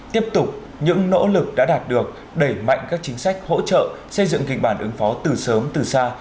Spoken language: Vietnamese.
tiếp tục những nỗ lực đã đạt được đẩy mạnh các chính sách hỗ trợ xây dựng kịch bản ứng phó từ sớm từ xa